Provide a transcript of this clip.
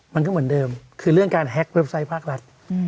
มันก็เหมือนเดิมคือเรื่องการแฮ็กเว็บไซต์ภาครัฐ